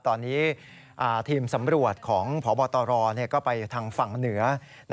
ตอนนี้ทีมสำรวจของพบตรก็ไปทางฝั่งเหนือ